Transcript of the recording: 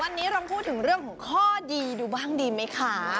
วันนี้ลองพูดถึงเรื่องของข้อดีดูบ้างดีไหมคะ